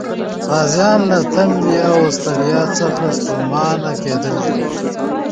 غازیان له تندې او ستړیا څخه ستومانه کېدل.